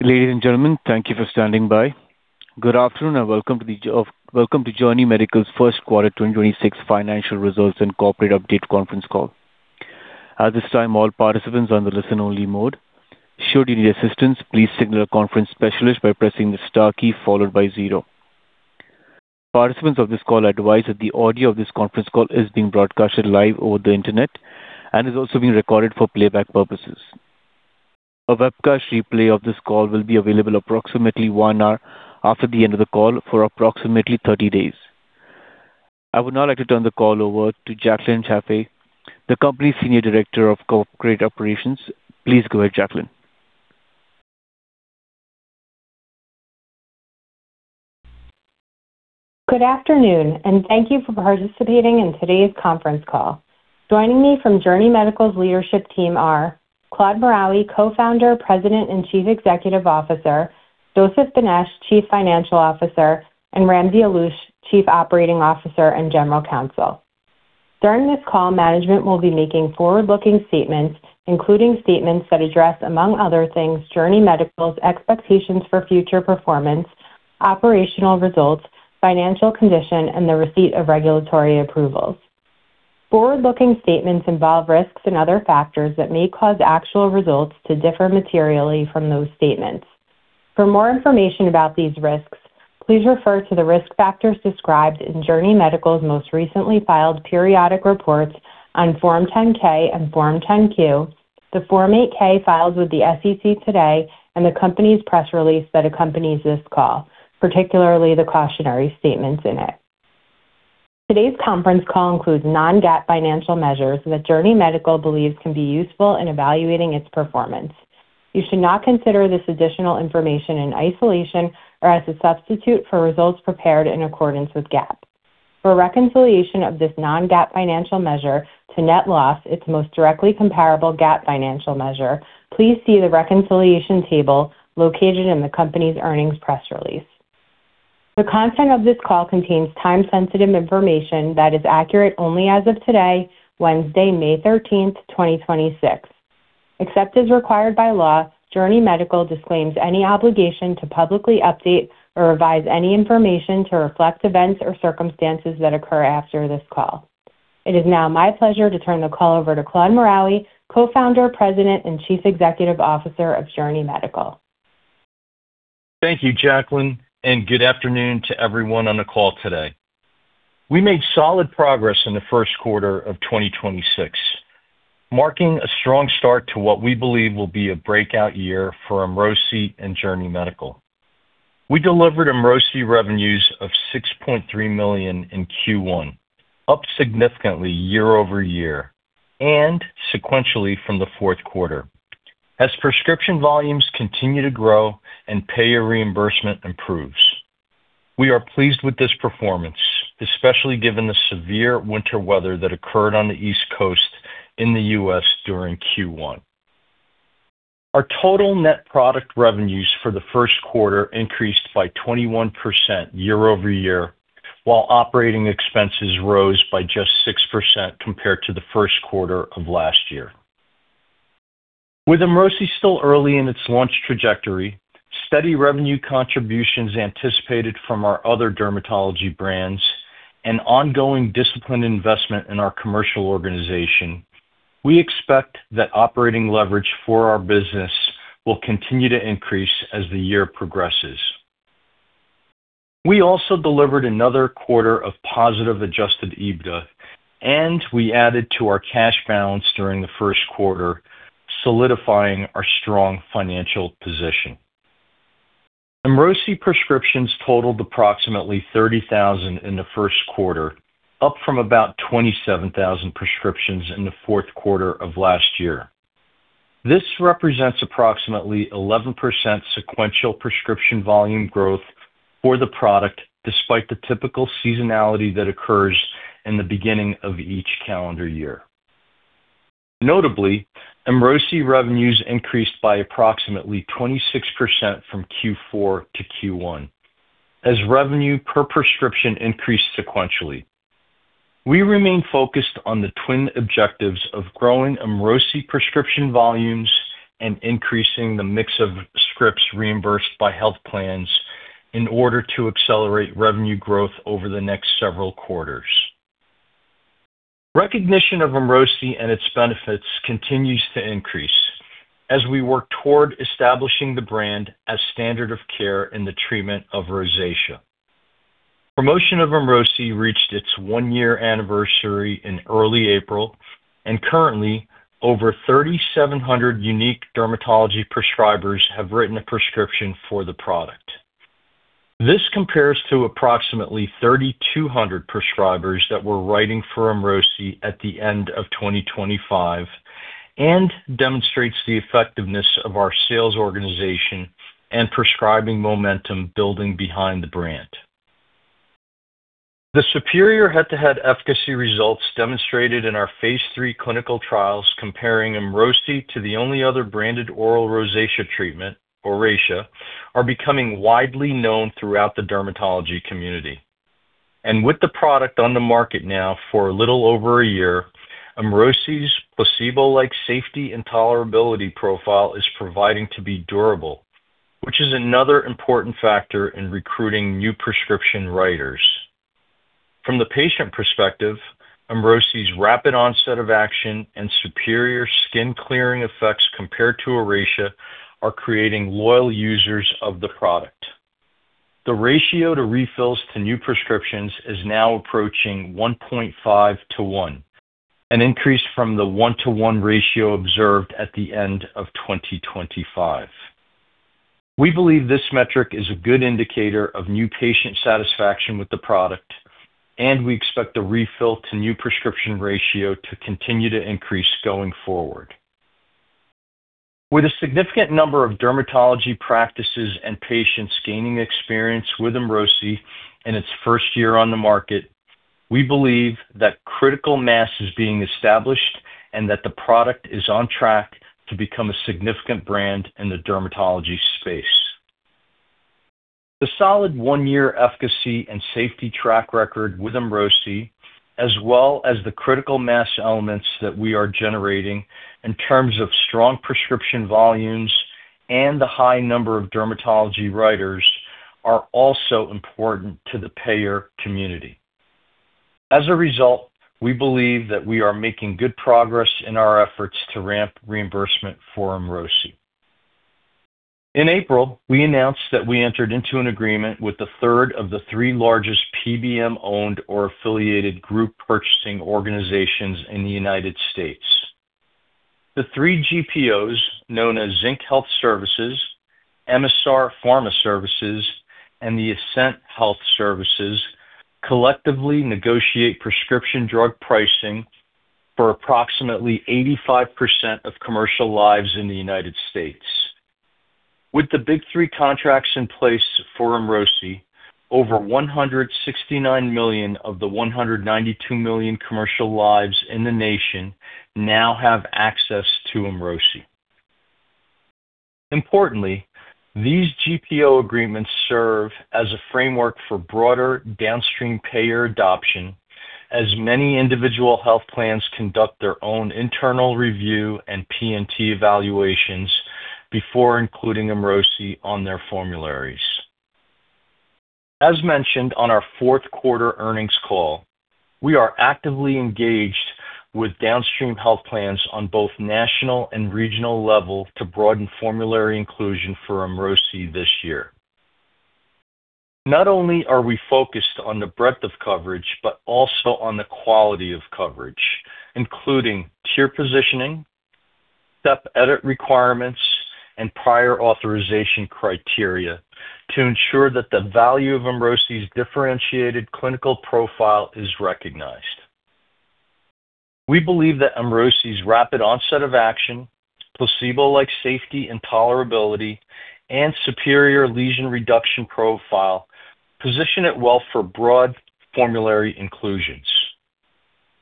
Ladies and gentlemen, thank you for standing by. Good afternoon, and welcome to Journey Medical's first quarter 2026 financial results and corporate update conference call. At this time, all participants are in listen-only mode. Should you need assistance, please signal a conference specialist by pressing the star key followed by zero. Participants of this call are advised that the audio of this conference call is being broadcasted live over the Internet and is also being recorded for playback purposes. A webcast replay of this call will be available approximately one hour after the end of the call for approximately 30 days. I would now like to turn the call over to Jaclyn Sapp, the company's senior director of corporate operations. Please go ahead, Jaclyn. Good afternoon, and thank you for participating in today's conference call. Joining me from Journey Medical's leadership team are Claude Maraoui, Co-founder, President, and Chief Executive Officer, Joseph Benesch, Chief Financial Officer, and Ramsey Alloush, Chief Operating Officer and General Counsel. During this call, management will be making forward-looking statements, including statements that address, among other things, Journey Medical's expectations for future performance, operational results, financial condition, and the receipt of regulatory approvals. Forward-looking statements involve risks and other factors that may cause actual results to differ materially from those statements. For more information about these risks, please refer to the risk factors described in Journey Medical's most recently filed periodic reports on Form 10-K and Form 10-Q, the Form 8-K filed with the SEC today, and the company's press release that accompanies this call, particularly the cautionary statements in it. Today's conference call includes non-GAAP financial measures that Journey Medical believes can be useful in evaluating its performance. You should not consider this additional information in isolation or as a substitute for results prepared in accordance with GAAP. For a reconciliation of this non-GAAP financial measure to net loss, its most directly comparable GAAP financial measure, please see the reconciliation table located in the company's earnings press release. The content of this call contains time-sensitive information that is accurate only as of today, Wednesday, May 13th, 2026. Except as required by law, Journey Medical disclaims any obligation to publicly update or revise any information to reflect events or circumstances that occur after this call. It is now my pleasure to turn the call over to Claude Maraoui, co-founder, president, and chief executive officer of Journey Medical. Thank you, Jaclyn, and good afternoon to everyone on the call today. We made solid progress in the first quarter of 2026, marking a strong start to what we believe will be a breakout year for AMZEEQ and Journey Medical. We delivered AMZEEQ revenues of $6.3 million in Q1, up significantly year-over-year and sequentially from the fourth quarter. As prescription volumes continue to grow and payer reimbursement improves, we are pleased with this performance, especially given the severe winter weather that occurred on the East Coast in the U.S. during Q1. Our total net product revenues for the first quarter increased by 21% year-over-year, while operating expenses rose by just 6% compared to the first quarter of last year. With AMZEEQ still early in its launch trajectory, steady revenue contributions anticipated from our other dermatology brands, and ongoing disciplined investment in our commercial organization, we expect that operating leverage for our business will continue to increase as the year progresses. We also delivered another quarter of positive adjusted EBITDA, and we added to our cash balance during the first quarter, solidifying our strong financial position. AMZEEQ prescriptions totaled approximately 30,000 in the first quarter, up from about 27,000 prescriptions in the fourth quarter of last year. This represents approximately 11% sequential prescription volume growth for the product despite the typical seasonality that occurs in the beginning of each calendar year. Notably, AMZEEQ revenues increased by approximately 26% from Q4 to Q1 as revenue per prescription increased sequentially. We remain focused on the twin objectives of growing AMZEEQ prescription volumes and increasing the mix of scripts reimbursed by health plans in order to accelerate revenue growth over the next several quarters. Recognition of AMZEEQ and its benefits continues to increase as we work toward establishing the brand as standard of care in the treatment of rosacea. Promotion of AMZEEQ reached its one-year anniversary in early April. Currently, over 3,700 unique dermatology prescribers have written a prescription for the product. This compares to approximately 3,200 prescribers that were writing for AMZEEQ at the end of 2025 and demonstrates the effectiveness of our sales organization and prescribing momentum building behind the brand. The superior head-to-head efficacy results demonstrated in our phase III clinical trials comparing AMZEEQ to the only other branded oral rosacea treatment, ORACEA, are becoming widely known throughout the dermatology community. With the product on the market now for a little over a year, EMROSI's placebo-like safety and tolerability profile is proving to be durable, which is another important factor in recruiting new prescription writers. From the patient perspective, EMROSI's rapid onset of action and superior skin-clearing effects compared to ORACEA are creating loyal users of the product. The ratio to refills to new prescriptions is now approaching 1.5 to 1, an increase from the one-to-one ratio observed at the end of 2025. We believe this metric is a good indicator of new patient satisfaction with the product, and we expect the refill-to-new-prescription ratio to continue to increase going forward. With a significant number of dermatology practices and patients gaining experience with EMROSI in its first year on the market, we believe that critical mass is being established and that the product is on track to become a significant brand in the dermatology space. The solid one-year efficacy and safety track record with EMROSI, as well as the critical mass elements that we are generating in terms of strong prescription volumes and the high number of dermatology writers, are also important to the payer community. As a result, we believe that we are making good progress in our efforts to ramp reimbursement for EMROSI. In April, we announced that we entered into an agreement with the third of the three largest PBM-owned or affiliated group purchasing organizations in the U.S. The three GPOs, known as Zinc Health Services, Emisar Pharma Services, and the Ascent Health Services, collectively negotiate prescription drug pricing for approximately 85% of commercial lives in the U.S. With the big three contracts in place for EMROSI, over 169 million of the 192 million commercial lives in the nation now have access to EMROSI. Importantly, these GPO agreements serve as a framework for broader downstream payer adoption, as many individual health plans conduct their own internal review and P&T evaluations before including EMROSI on their formularies. As mentioned on our fourth quarter earnings call, we are actively engaged with downstream health plans on both national and regional level to broaden formulary inclusion for EMROSI this year. Not only are we focused on the breadth of coverage but also on the quality of coverage, including tier positioning, step edit requirements, and prior authorization criteria to ensure that the value of EMROSI's differentiated clinical profile is recognized. We believe that EMROSI's rapid onset of action, placebo-like safety and tolerability, and superior lesion reduction profile position it well for broad formulary inclusions.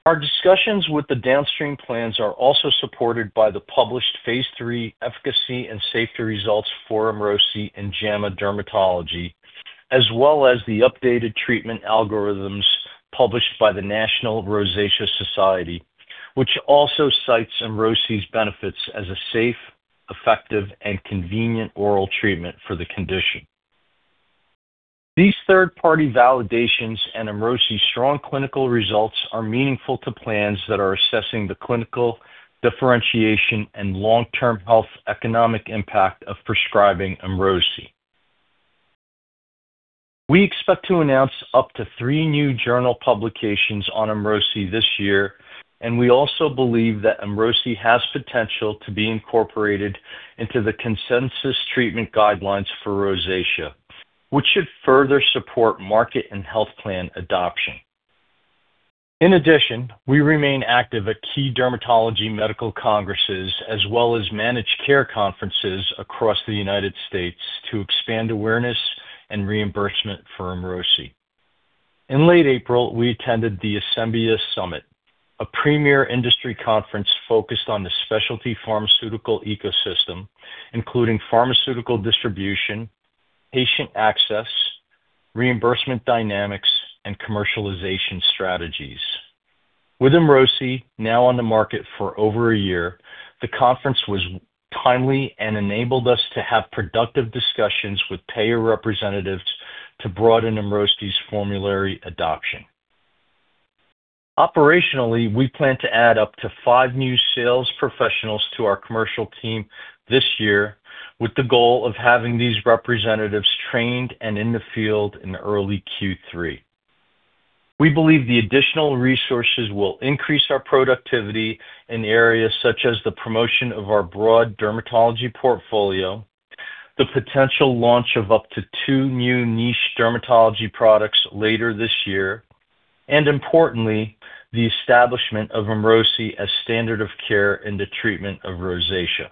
Our discussions with the downstream plans are also supported by the published phase III efficacy and safety results for EMROSI in JAMA Dermatology, as well as the updated treatment algorithms published by the National Rosacea Society, which also cite EMROSI's benefits as a safe, effective, and convenient oral treatment for the condition. These third-party validations and EMROSI's strong clinical results are meaningful to plans that are assessing the clinical differentiation and long-term health economic impact of prescribing EMROSI. We expect to announce up to three new journal publications on EMROSI this year, and we also believe that EMROSI has potential to be incorporated into the consensus treatment guidelines for rosacea, which should further support market and health plan adoption. In addition, we remain active at key dermatology medical congresses as well as managed care conferences across the U.S. to expand awareness and reimbursement for EMROSI. In late April, we attended the Asembia Summit, a premier industry conference focused on the specialty pharmaceutical ecosystem, including pharmaceutical distribution, patient access, reimbursement dynamics, and commercialization strategies. With EMROSI now on the market for over a year, the conference was timely and enabled us to have productive discussions with payer representatives to broaden EMROSI's formulary adoption. Operationally, we plan to add up to five new sales professionals to our commercial team this year with the goal of having these representatives trained and in the field in early Q3. We believe the additional resources will increase our productivity in areas such as the promotion of our broad dermatology portfolio, the potential launch of up to two new niche dermatology products later this year, and, importantly, the establishment of EMROSI as standard of care in the treatment of rosacea.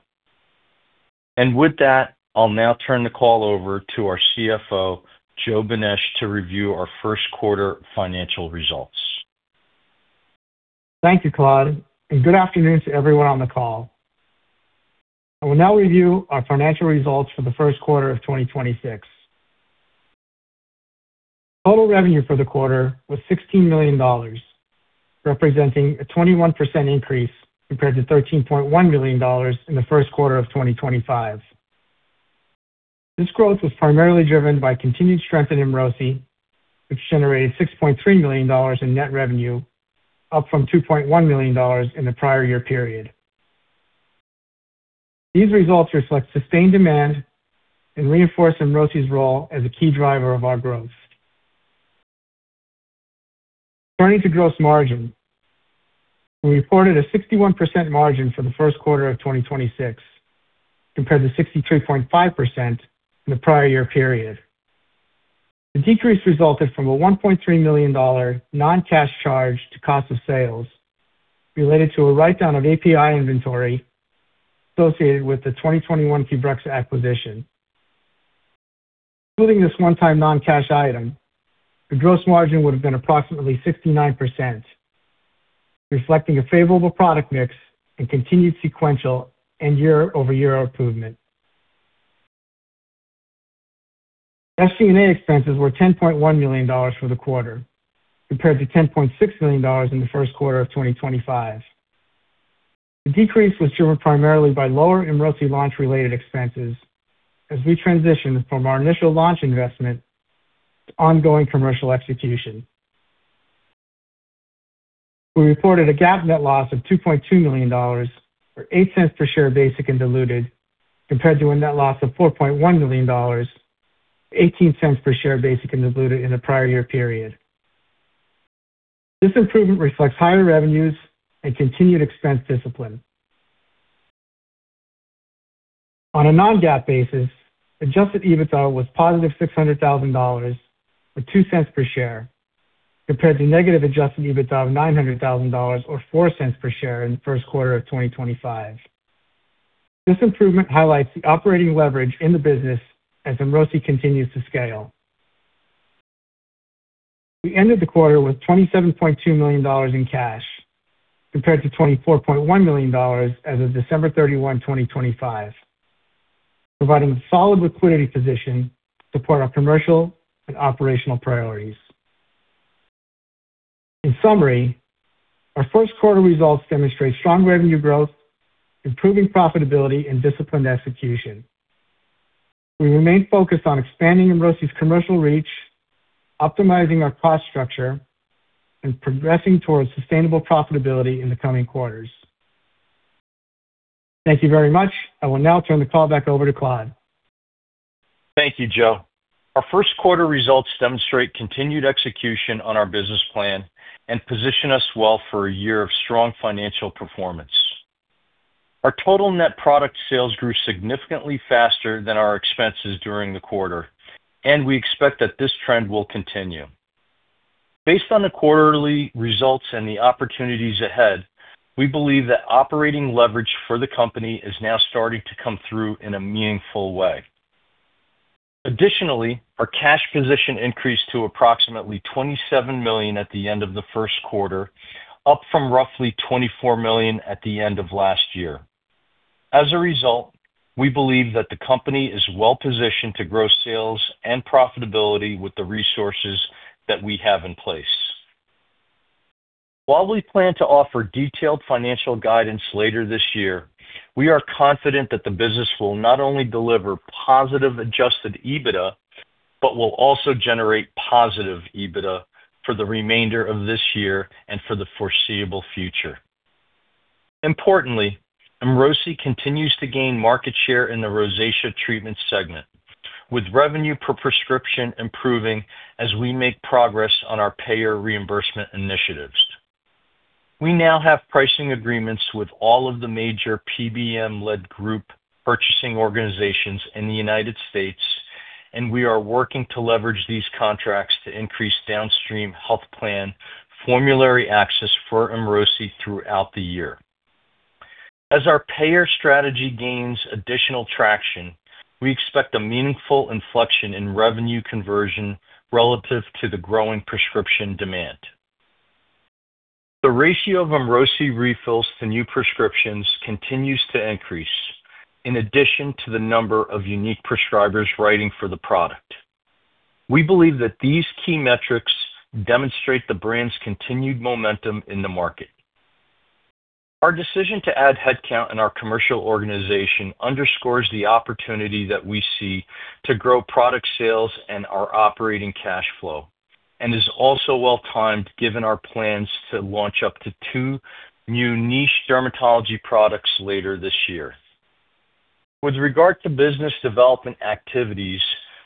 With that, I'll now turn the call over to our CFO, Joseph Benesch, to review our first quarter financial results. Thank you, Claude, and good afternoon to everyone on the call. I will now review our financial results for the first quarter of 2026. Total revenue for the quarter was $16 million, representing a 21% increase compared to $13.1 million in the first quarter of 2025. This growth was primarily driven by continued strength in EMROSI, which generated $6.3 million in net revenue, up from $2.1 million in the prior year period. These results reflect sustained demand and reinforce EMROSI's role as a key driver of our growth. Turning to gross margin, we reported a 61% margin for the first quarter of 2026 compared to 63.5% in the prior-year period. The decrease resulted from a $1.3 million non-cash charge to cost of sales related to a write-down of API inventory associated with the 2021 QBREXZA acquisition. Including this one-time non-cash item, the gross margin would have been approximately 69%, reflecting a favorable product mix and continued sequential and year-over-year improvement. SG&A expenses were $10.1 million for the quarter compared to $10.6 million in the first quarter of 2025. The decrease was driven primarily by lower EMROSI launch-related expenses as we transition from our initial launch investment to ongoing commercial execution. We reported a GAAP net loss of $2.2 million, or $0.08 per share basic and diluted, compared to a net loss of $4.1 million, $0.18 per share basic and diluted, in the prior-year period. This improvement reflects higher revenues and continued expense discipline. On a non-GAAP basis, adjusted EBITDA was positive $600,000, or $0.02 per share, compared to negative adjusted EBITDA of $900,000, or $0.04 per share, in the first quarter of 2025. This improvement highlights the operating leverage in the business as EMROSI continues to scale. We ended the quarter with $27.2 million in cash compared to $24.1 million as of December 31, 2025, providing a solid liquidity position to support our commercial and operational priorities. In summary, our first quarter results demonstrate strong revenue growth, improving profitability, and disciplined execution. We remain focused on expanding EMROSI's commercial reach, optimizing our cost structure, and progressing towards sustainable profitability in the coming quarters. Thank you very much. I will now turn the call back over to Claude. Thank you, Joe. Our first quarter results demonstrate continued execution on our business plan and position us well for a year of strong financial performance. Our total net product sales grew significantly faster than our expenses during the quarter, and we expect that this trend will continue. Based on the quarterly results and the opportunities ahead, we believe that operating leverage for the company is now starting to come through in a meaningful way. Additionally, our cash position increased to approximately $27 million at the end of the first quarter, up from roughly $24 million at the end of last year. We believe that the company is well-positioned to grow sales and profitability with the resources that we have in place. While we plan to offer detailed financial guidance later this year, we are confident that the business will not only deliver positive adjusted EBITDA but will also generate positive EBITDA for the remainder of this year and for the foreseeable future. Importantly, EMROSI continues to gain market share in the rosacea treatment segment, with revenue per prescription improving as we make progress on our payer reimbursement initiatives. We now have pricing agreements with all of the major PBM-led group purchasing organizations in the U.S. We are working to leverage these contracts to increase downstream health plan formulary access for EMROSI throughout the year. As our payer strategy gains additional traction, we expect a meaningful inflection in revenue conversion relative to the growing prescription demand. The ratio of EMROSI refills to new prescriptions continues to increase in addition to the number of unique prescribers writing for the product. We believe that these key metrics demonstrate the brand's continued momentum in the market. Our decision to add headcount in our commercial organization underscores the opportunity that we see to grow product sales and our operating cash flow and is also well-timed given our plans to launch up to two new niche dermatology products later this year. With regard to business development activities,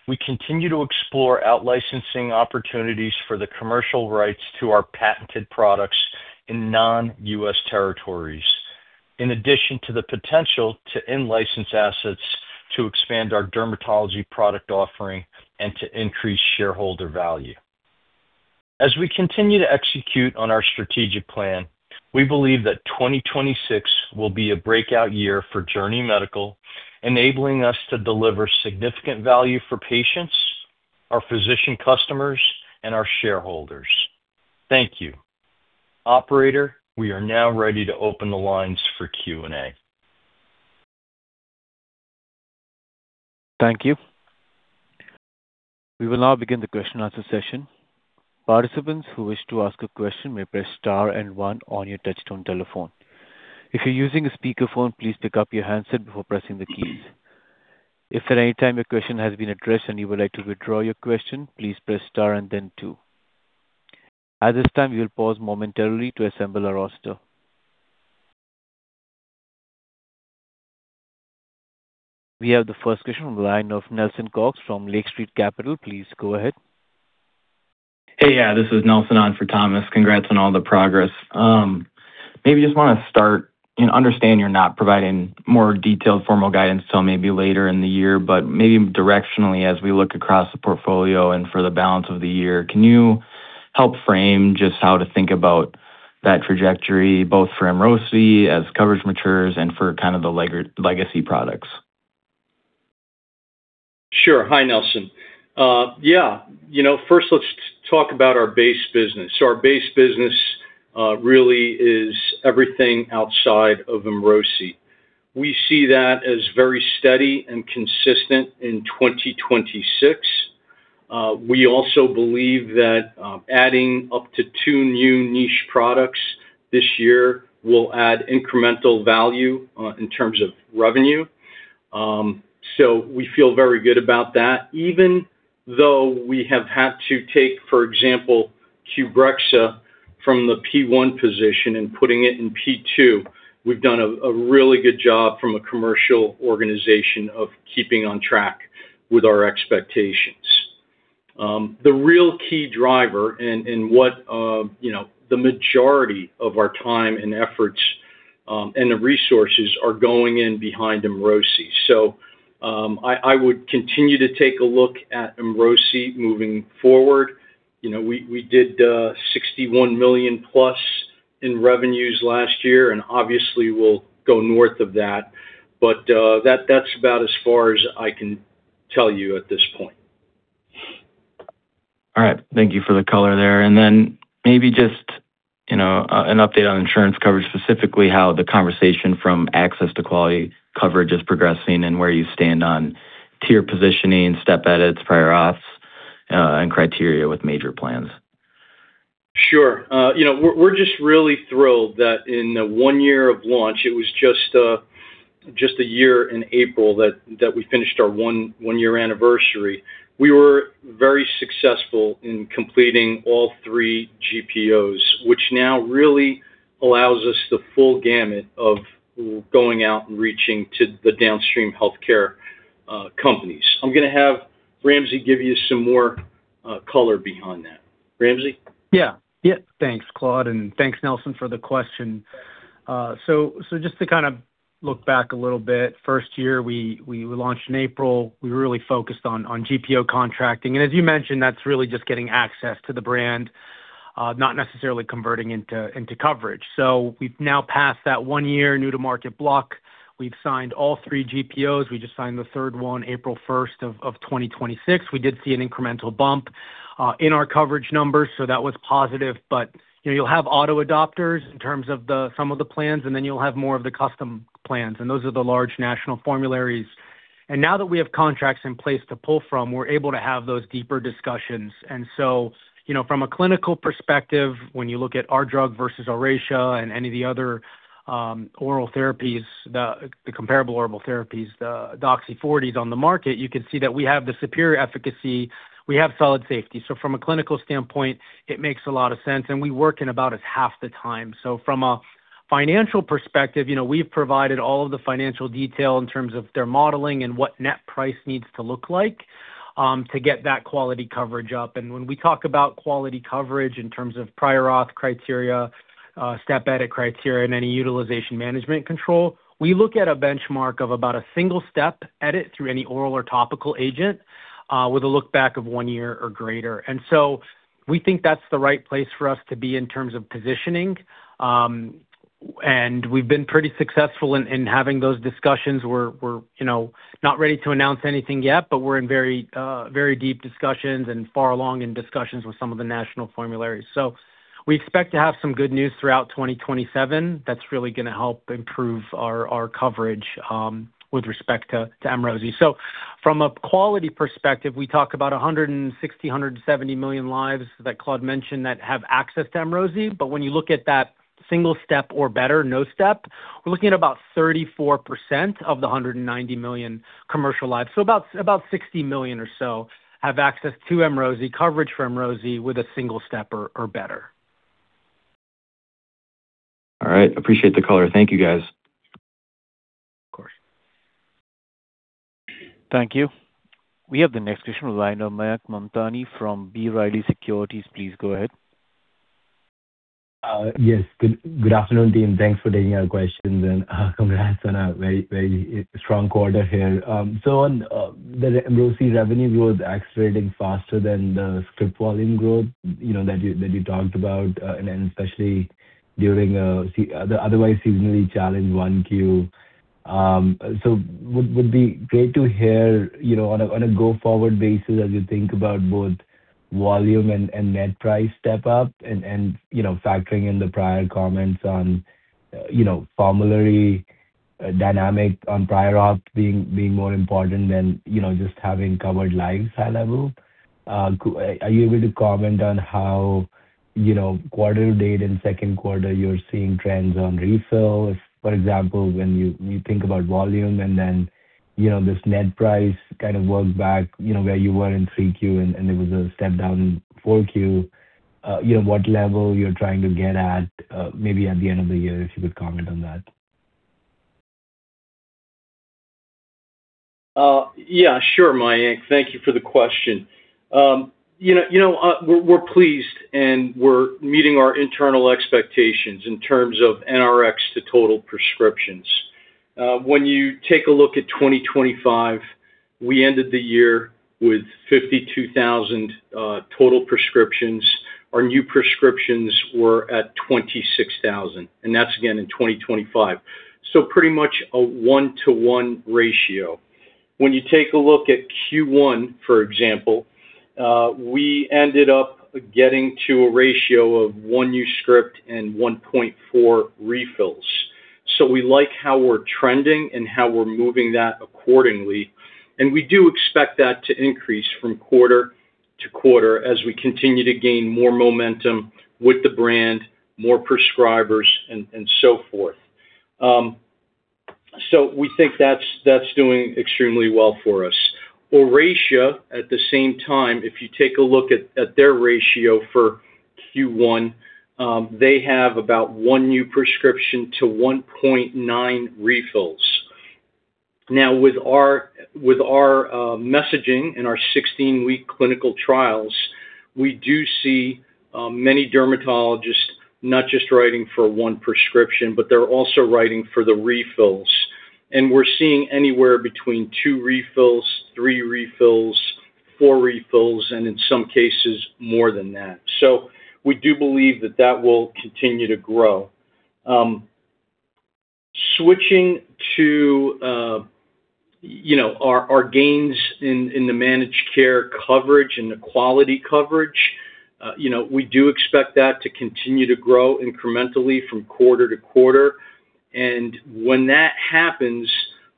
we continue to explore out-licensing opportunities for the commercial rights to our patented products in non-U.S. territories, in addition to the potential to in-license assets to expand our dermatology product offering and to increase shareholder value. As we continue to execute on our strategic plan, we believe that 2026 will be a breakout year for Journey Medical, enabling us to deliver significant value for patients, our physician customers, and our shareholders. Thank you. Operator, we are now ready to open the lines for Q&A. Thank you. We will now begin the question answer session. Participants who wish to ask a question may press star and one on your touchtone telephone. If you're using a speakerphone, please pick up your handset before pressing the keys. If at any time your question has been addressed and you would like to withdraw your question, please press star and then two. At this time, we will pause momentarily to assemble our roster. We have the first question on the line of Nelson Cox from Lake Street Capital. Please go ahead. Hey. Yeah, this is Nelson on for Thomas. Congrats on all the progress. Maybe just wanna start and understand you're not providing more detailed formal guidance till maybe later in the year, but maybe directionally as we look across the portfolio and for the balance of the year, can you help frame just how to think about that trajectory, both for EMROSI as coverage matures and for kind of the legacy products? Sure. Hi, Nelson. Yeah. You know, first let's talk about our base business. Our base business really is everything outside of EMROSI. We see that as very steady and consistent in 2026. We also believe that adding up to two new niche products this year will add incremental value in terms of revenue. We feel very good about that. Even though we have had to take, for example, QBREXZA from the P1 position and putting it in P2, we've done a really good job from a commercial organization of keeping on track with our expectations. The real key driver and what, you know, the majority of our time and efforts and the resources are going in behind EMROSI. I would continue to take a look at EMROSI moving forward. You know, we did $61 million plus in revenues last year, and obviously, we'll go north of that. That's about as far as I can tell you at this point. All right. Thank you for the color there. Then maybe just, you know, an update on insurance coverage, specifically how the conversation from access to quality coverage is progressing and where you stand on tier positioning, step edits, prior auths, and criteria with major plans. Sure. You know, we're just really thrilled that in the one year of launch, it was just a year in April that we finished our one-year anniversary. We were very successful in completing all three GPOs, which now really allows us the full gamut of going out and reaching to the downstream healthcare companies. I'm gonna have Ramsey give you some more color behind that. Ramzi? Yeah. Yeah. Thanks, Claude, and thanks, Nelson, for the question. Just to kind of look back a little bit, first year we launched in April. We really focused on GPO contracting. As you mentioned, that's really just getting access to the brand, not necessarily converting into coverage. We've now passed that one-year new-to-market block. We've signed all three GPOs. We just signed the third one April first of 2026. We did see an incremental bump in our coverage numbers, so that was positive. You know, you'll have auto adopters in terms of some of the plans, and then you'll have more of the custom plans, and those are the large national formularies. Now that we have contracts in place to pull from, we're able to have those deeper discussions. You know, from a clinical perspective, when you look at our drug versus ORACEA and any of the other oral therapies, the comparable oral therapies, the doxy 40s on the market, you can see that we have the superior efficacy. We have solid safety. From a clinical standpoint, it makes a lot of sense, and we work in about half the time. From a financial perspective, you know, we've provided all of the financial detail in terms of their modeling and what net price needs to look like to get that quality coverage up. When we talk about quality coverage in terms of prior auth criteria, step edit criteria, and any utilization management control, we look at a benchmark of about a single step edit through any oral or topical agent, with a look back of one year or greater. We think that's the right place for us to be in terms of positioning. We've been pretty successful in having those discussions. We're, you know, not ready to announce anything yet, but we're in very deep discussions and far along in discussions with some of the national formularies. We expect to have some good news throughout 2027 that's really gonna help improve our coverage with respect to EMROSI. From a quality perspective, we talk about 160, 170 million lives that Claude mentioned that have access to EMROSI. When you look at that single step or better, no step, we're looking at about 34% of the 190 million commercial lives; about 60 million or so have access to EMROSI, coverage for EMROSI with a single step or better. All right. Appreciate the color. Thank you, guys. Of course. Thank you. We have the next question with Mayank Mamtani from B. Riley Securities. Please go ahead. Yes. Good afternoon, team. Thanks for taking our questions, and congrats on a very, very strong quarter here. On the EMROSI revenue growth accelerating faster than the script volume growth, you know, that you talked about, and especially during Q1, otherwise seasonally challenged 1Q, would be great to hear, you know, on a go-forward basis as you think about both volume and net price step up and, you know, factoring in the prior comments on, you know, formulary dynamic on prior auth being more important than, you know, just having covered lives high level. Are you able to comment on how, you know, quarter-to-date and second quarter you're seeing trends on refills? For example, when you think about volume and then, you know, this net price kind of work back, you know, where you were in 3Q and there was a step down in 4Q, you know, what level you're trying to get at, maybe at the end of the year, if you could comment on that. Yeah, sure, Mayank. Thank you for the question. You know, we're pleased, and we're meeting our internal expectations in terms of NRX to total prescriptions. When you take a look at 2025, we ended the year with 52,000 total prescriptions. Our new prescriptions were at 26,000, and that's again in 2025. Pretty much a one-to-one ratio. When you take a look at Q1, for example, we ended up getting to a ratio of one new script and 1.4 refills. We like how we're trending and how we're moving that accordingly, and we do expect that to increase from quarter to quarter as we continue to gain more momentum with the brand, more prescribers and so forth. We think that's doing extremely well for us. ORACEA, at the same time, if you take a look at their ratio for Q1, they have about one new prescription to 1.9 refills. Now with our messaging and our 16-week clinical trials, we do see many dermatologists not just writing for one prescription, but they're also writing for the refills. We're seeing anywhere between two refills, three refills, four refills, and in some cases more than that. We do believe that will continue to grow. Switching to, you know, our gains in the managed care coverage and the quality coverage, you know, we do expect that to continue to grow incrementally from quarter to quarter. When that happens,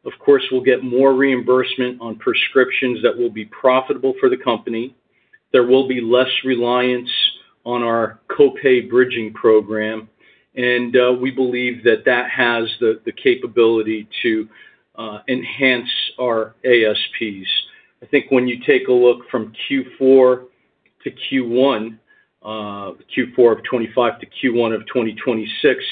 of course, we'll get more reimbursement on prescriptions that will be profitable for the company. There will be less reliance on our co-pay bridging program. We believe that has the capability to enhance our ASPs. I think when you take a look from Q4 to Q1, Q4 of 2025 to Q1 of 2026,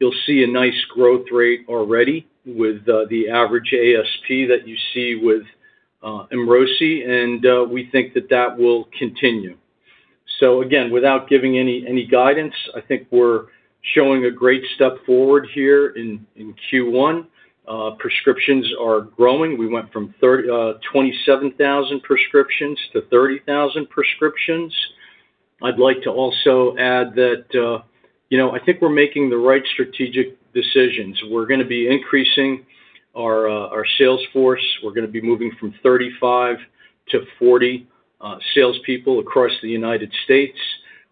you'll see a nice growth rate already with the average ASP that you see with EMROSI, and we think that will continue. Again, without giving any guidance, I think we're showing a great step forward here in Q1. Prescriptions are growing. We went from 27,000 prescriptions to 30,000 prescriptions. I'd like to also add that, you know, I think we're making the right strategic decisions. We're gonna be increasing our sales force. We're gonna be moving from 35 to 40 salespeople across the United States.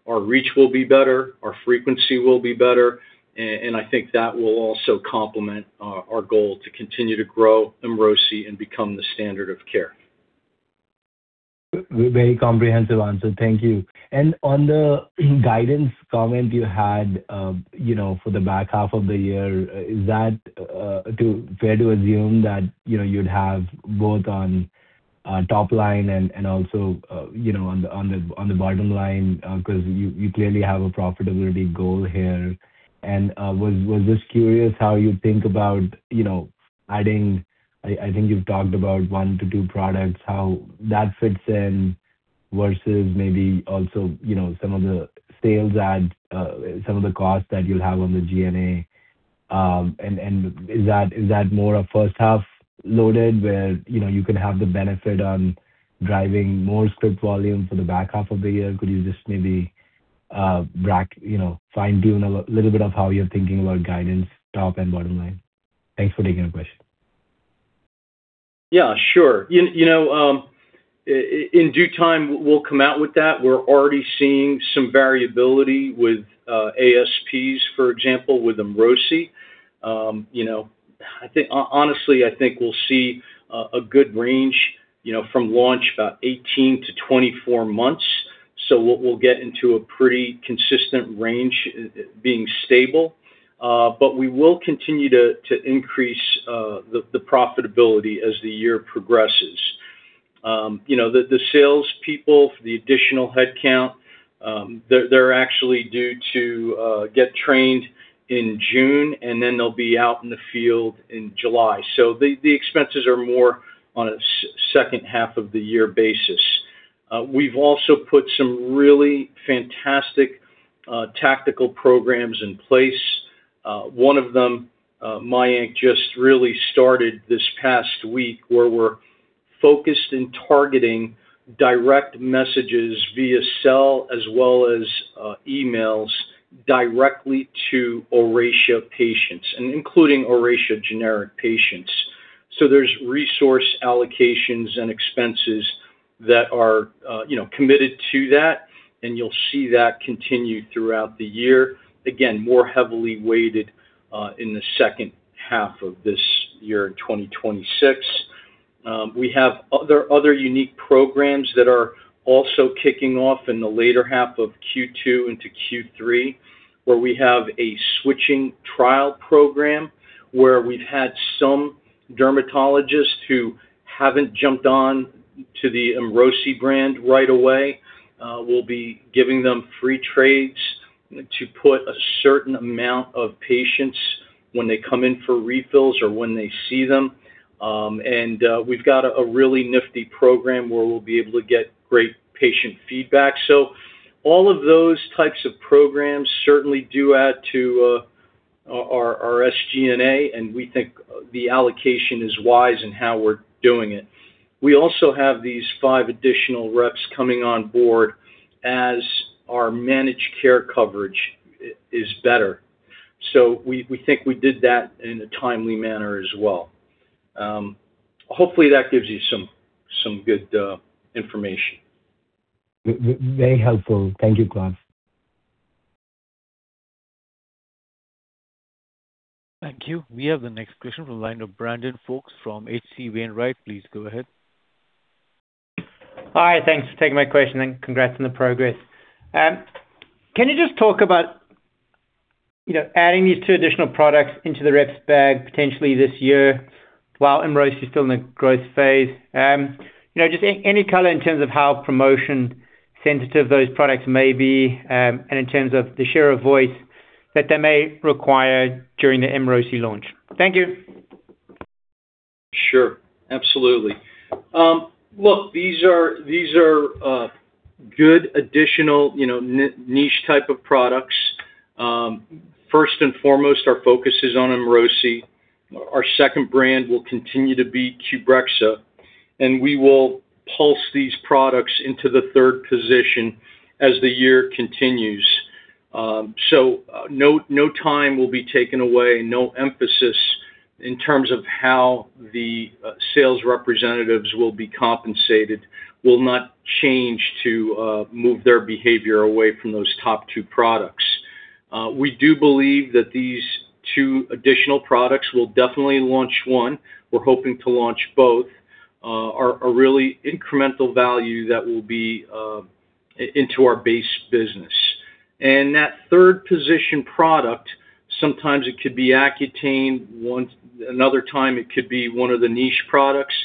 Our reach will be better, our frequency will be better, and I think that will also complement our goal to continue to grow EMROSI and become the standard of care. Very comprehensive answer. Thank you. On the guidance comment you had, you know, for the back half of the year, is that fair to assume that, you know, you'd have both on top line and also, you know, on the bottom line? 'Cause you clearly have a profitability goal here. Was just curious how you think about, you know, adding, I think you've talked about one to two products, how that fits in versus maybe also, you know, some of the sales add, some of the costs that you'll have on the SG&A. Is that more a first half loaded where, you know, you can have the benefit on driving more script volume for the back half of the year? Could you just maybe, you know, fine-tune a little bit of how you're thinking about guidance, top and bottom line? Thanks for taking the question. Yeah, sure. You know, in due time, we'll come out with that. We're already seeing some variability with ASPs, for example, with EMROSI. You know, I think honestly, I think we'll see a good range, you know, from launch about 18-24 months. We'll get into a pretty consistent range, being stable. We will continue to increase the profitability as the year progresses. You know, the salespeople, the additional headcount, they're actually due to get trained in June, and then they'll be out in the field in July. The expenses are more on a second-half-of-the-year basis. We've also put some really fantastic tactical programs in place. One of them, Mayank, just really started this past week where we're focused in targeting direct messages via cell as well as emails directly to ORACEA patients and including ORACEA generic patients. There's resource allocations and expenses that are, you know, committed to that, and you'll see that continue throughout the year. Again, more heavily weighted in the second half of this year in 2026. We have other unique programs that are also kicking off in the later half of Q2 into Q3, where we have a switching trial program where we've had some dermatologists who haven't jumped on to the EMROSI brand right away. We'll be giving them free trials to put a certain amount of patients when they come in for refills or when they see them. We've got a really nifty program where we'll be able to get great patient feedback. All of those types of programs certainly do add to our SG&A, and we think the allocation is wise in how we're doing it. We also have these five additional reps coming on board as our managed care coverage is better. We think we did that in a timely manner as well. Hopefully that gives you some good information. Very helpful. Thank you, Claude. Thank you. We have the next question from the line of Brandon Folkes from H.C. Wainwright. Please go ahead. Hi. Thanks for taking my question, and congrats on the progress. Can you just talk about, you know, adding these two additional products into the reps bag potentially this year while EMROSI is still in the growth phase? You know, just any color in terms of how promotion sensitive those products may be and in terms of the share of voice that they may require during the EMROSI launch. Thank you. Sure. Absolutely. Look, these are good additional, you know, niche type of products. First and foremost, our focus is on EMROSI. Our second brand will continue to be QBREXZA, and we will pulse these products into the third position as the year continues. No time will be taken away, no emphasis in terms of how the sales representatives will be compensated will not change to move their behavior away from those top two products. We do believe that these two additional products will definitely launch one. We're hoping to launch both are really incremental value that will be into our base business. That third position product, sometimes it could be Accutane once another time it could be one of the niche products.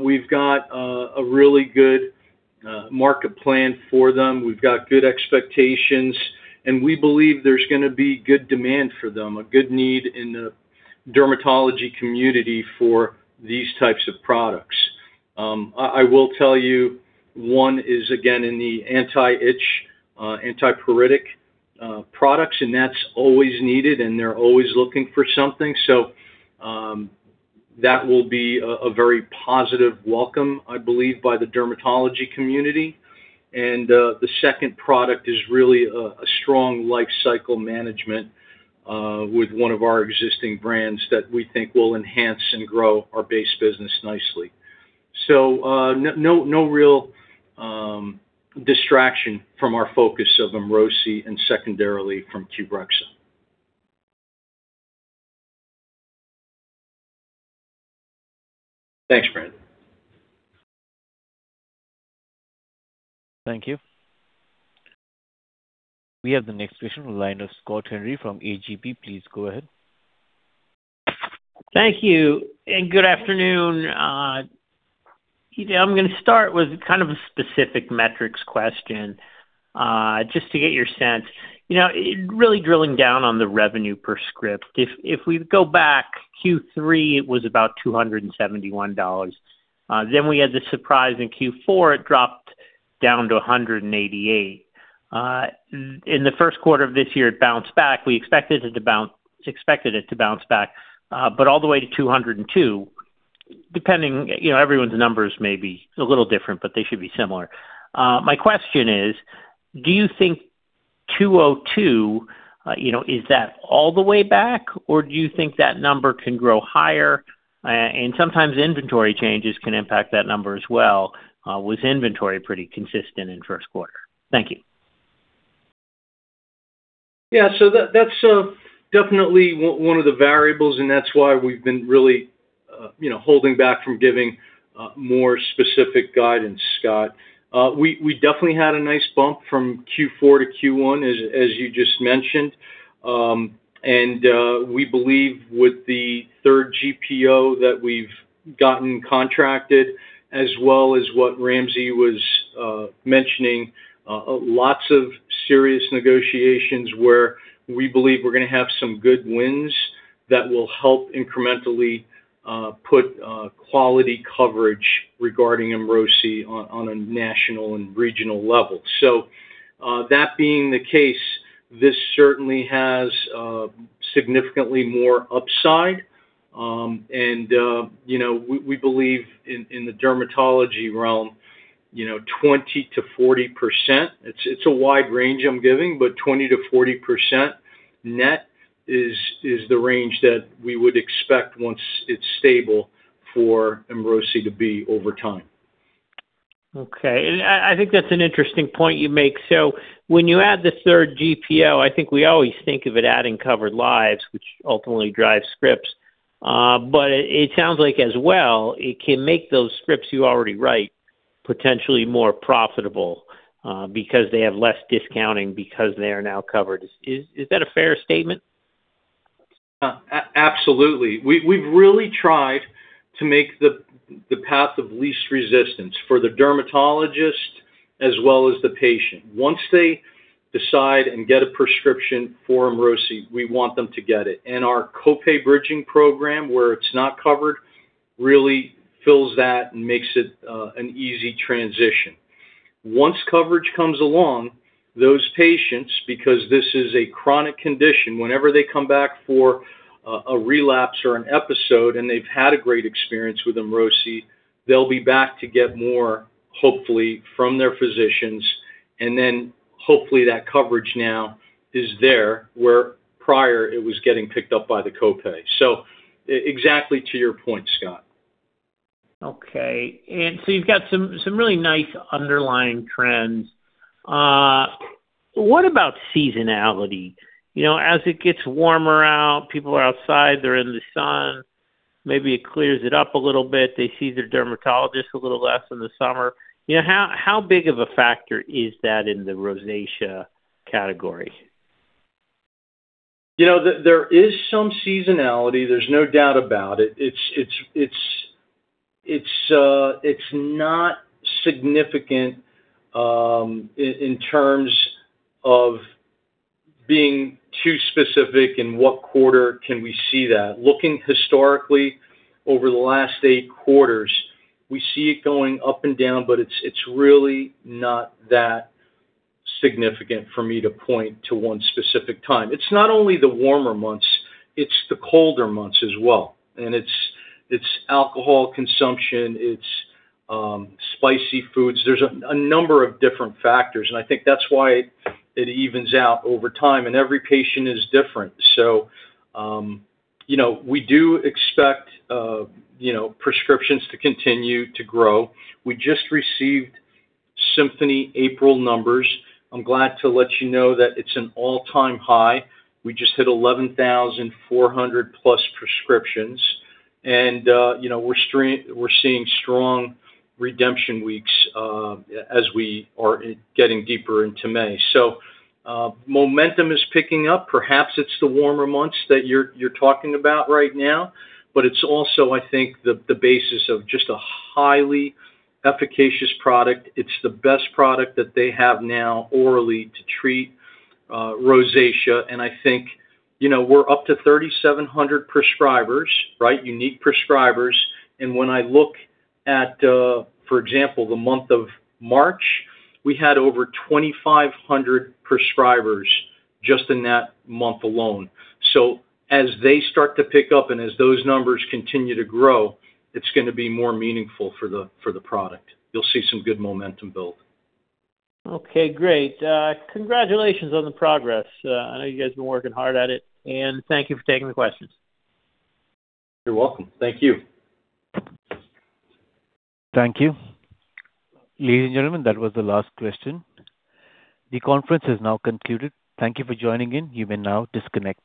We've got a really good market plan for them. We've got good expectations, and we believe there's gonna be good demand for them, a good need in the dermatology community for these types of products. I will tell you, one is again in the anti-itch, antipruritic products, and that's always needed, and they're always looking for something. That will be a very positive welcome, I believe, by the dermatology community. The second product is really a strong lifecycle management, with one of our existing brands that we think will enhance and grow our base business nicely. No real distraction from our focus of EMROSI and secondarily from QBREXZA. Thanks, Brandon. Thank you. We have the next question from the line of Scott Henry from A.G.P. Please go ahead. Thank you, and good afternoon. I'm gonna start with kind of a specific metrics question, just to get your sense. You know, really drilling down on the revenue per script. If we go back Q3, it was about $271. Then we had the surprise in Q4, it dropped down to $188. In the first quarter of this year, it bounced back. We expected it to bounce back, but all the way to $202, depending, you know, everyone's numbers may be a little different, but they should be similar. My question is, do you think $202, you know, is that all the way back, or do you think that number can grow higher? Sometimes inventory changes can impact that number as well. Was inventory pretty consistent in first quarter? Thank you. Yeah. That's definitely one of the variables, and that's why we've been really, you know, holding back from giving more specific guidance, Scott. We definitely had a nice bump from Q4 to Q1 as you just mentioned. We believe with the third GPO that we've gotten contracted, as well as what Ramsey was mentioning, lots of serious negotiations where we believe we're gonna have some good wins that will help incrementally put quality coverage regarding EMROSI on a national and regional level. That being the case, this certainly has significantly more upside. You know, we believe in the dermatology realm, you know, 20%-40%. It's a wide range I'm giving, but 20%-40% net is the range that we would expect once it's stable for EMROSI to be over time. Okay. I think that's an interesting point you make. When you add the third GPO, I think we always think of it adding covered lives, which ultimately drives scripts. It sounds like as well, it can make those scripts you already write potentially more profitable, because they have less discounting because they are now covered. Is that a fair statement? Absolutely. We've really tried to make the path of least resistance for the dermatologist as well as the patient. Once they decide and get a prescription for EMROSI, we want them to get it. Our co-pay bridging program, where it's not covered, really fills that and makes it an easy transition. Once coverage comes along, those patients, because this is a chronic condition, whenever they come back for a relapse or an episode and they've had a great experience with EMROSI, they'll be back to get more, hopefully, from their physicians, and then hopefully that coverage now is there, where prior it was getting picked up by the co-pay. Exactly to your point, Scott. Okay. You've got some really nice underlying trends. What about seasonality? You know, as it gets warmer out, people are outside, they're in the sun. Maybe it clears it up a little bit. They see their dermatologist a little less in the summer. You know, how big of a factor is that in the rosacea category? You know, there is some seasonality. There's no doubt about it. It's not significant in terms of being too specific. In what quarter can we see that. Looking historically over the last eight quarters, we see it going up and down, but it's really not that significant for me to point to one specific time. It's not only the warmer months, it's the colder months as well. It's alcohol consumption, it's spicy foods. There's a number of different factors, and I think that's why it evens out over time, and every patient is different. You know, we do expect, you know, prescriptions to continue to grow. We just received Symphony April numbers. I'm glad to let you know that it's an all-time high. We just hit 11,400-plus prescriptions, and, you know, we're seeing strong redemption weeks as we are getting deeper into May. Momentum is picking up. Perhaps it's the warmer months that you're talking about right now, but it's also, I think, the basis of just a highly efficacious product. It's the best product that they have now, orally, to treat ROSACEA. I think, you know, we're up to 3,700 prescribers, right? Unique prescribers. When I look at, for example, the month of March, we had over 2,500 prescribers just in that month alone. As they start to pick up and as those numbers continue to grow, it's gonna be more meaningful for the product. You'll see some good momentum build. Okay, great. Congratulations on the progress. I know you guys have been working hard at it. Thank you for taking the questions. You're welcome. Thank you. Thank you. Ladies and gentlemen, that was the last question. The conference has now concluded. Thank you for joining in. You may now disconnect.